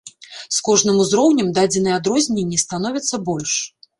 З кожным узроўнем дадзеныя адрозненні становяцца больш.